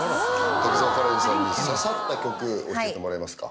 滝沢カレンさんに刺さった曲教えてもらえますか